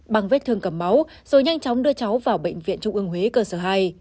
bằng vết thương cầm máu rồi nhanh chóng đưa cháu vào bệnh viện trung ương huế cơ sở hai